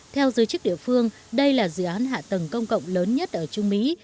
theo giới chức địa phương đây là dự án hạ tầng công cộng lớn nhất ở trung mỹ